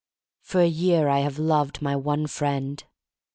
For a year I have loved my one friend.